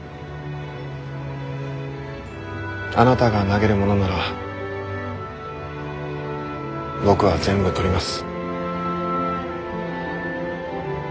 あなたが投げるものなら僕は全部取ります。